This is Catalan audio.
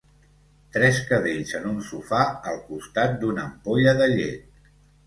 Tres cadells en un sofà al costat d'una ampolla de llet.